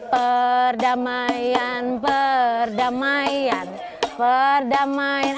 perdamaian perdamaian perdamaian